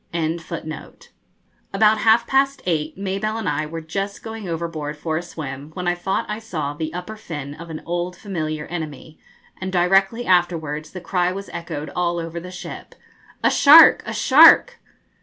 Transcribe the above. '] About half past eight Mabelle and I were just going overboard for a swim, when I thought I saw the upper fin of an old familiar enemy, and directly afterwards the cry was echoed all over the ship, 'A shark, a shark!'